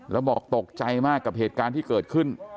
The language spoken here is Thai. แล้วบอกตกใจมากกับเหตุการณ์ที่เกิดขึ้น